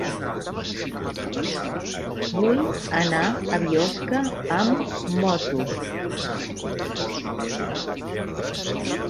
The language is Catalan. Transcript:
Vull anar a Biosca amb moto.